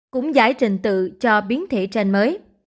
cũng giải trình tự cho biến thể gen mới